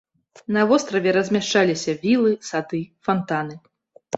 На востраве размяшчаліся вілы, сады, фантаны.